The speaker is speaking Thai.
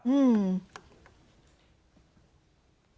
อืม